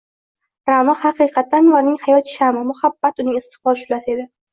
Ra’no haqiqatda Anvarning hayot sham’i, muhabbat uning istiqbol shu’lasi edi.